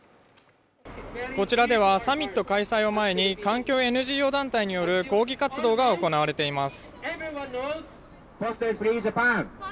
こちらではサミット開催を前に環境ＮＧＯ団体による抗議活動が行われています。